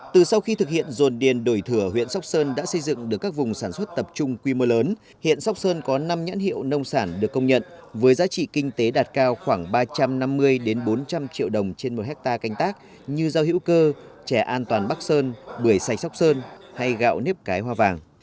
từ sau khi thực hiện dồn điền đổi thừa huyện sóc sơn đã xây dựng được các vùng sản xuất tập trung quy mô lớn hiện sóc sơn có năm nhãn hiệu nông sản được công nhận với giá trị kinh tế đạt cao khoảng ba trăm năm mươi bốn trăm linh triệu đồng trên một hectare canh tác như rau hữu cơ chè an toàn bắc sơn bưởi sạch sóc sơn hay gạo nếp cái hoa vàng